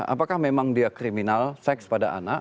apakah memang dia kriminal seks pada anak